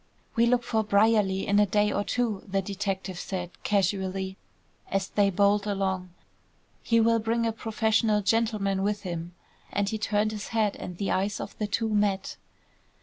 "We look for Brierly in a day or two," the detective said, casually, as they bowled along. "He will bring a professional gentleman with him," and he turned his head and the eyes of the two met.